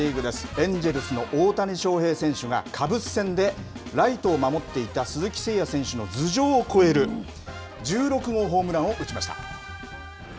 エンジェルスの大谷翔平選手が、カブス戦でライトを守っていた鈴木誠也選手の頭上を越える１６号ホームランを打ちました。